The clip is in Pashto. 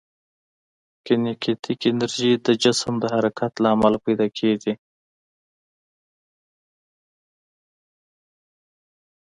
کینیتیک انرژي د جسم د حرکت له امله پیدا کېږي.